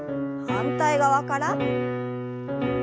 反対側から。